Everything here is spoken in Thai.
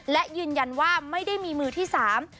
และยืนยันว่าไม่ได้มีมือที่สาม